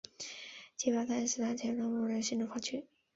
基里巴斯目前无官方的行政区划。